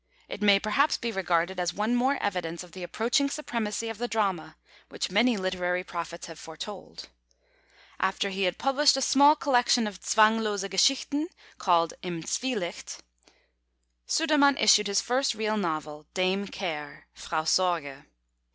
It may perhaps be regarded as one more evidence of the approaching supremacy of the Drama, which many literary prophets have foretold. After he had published a small collection of "Zwanglose Geschichten," called Im Zwielicht, Sudermann issued his first real novel, Dame Care (Frau Sorge).